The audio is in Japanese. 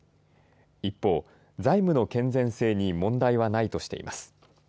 一方、財務の健全性に問題はないとしています。